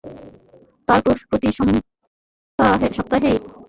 তাও প্রতি সপ্তাহেই।